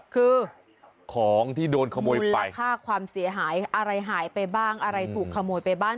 คือของที่โดนขโมยไปค่าความเสียหายอะไรหายไปบ้างอะไรถูกขโมยไปบ้าง